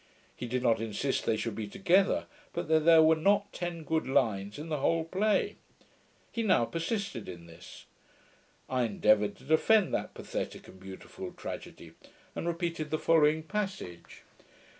He did not insist they should be together, but that there were not ten good lines in the whole play. He now persisted in this. I endeavoured to defend that pathetick and beautiful tragedy, and repeated the following passage